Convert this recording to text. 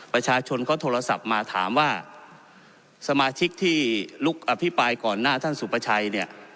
ประชาชนเขาโทรศัพท์มาถามว่าสมาชิกที่ลุกอภิปรายก่อนหน้าท่านสุประชัยเนี่ย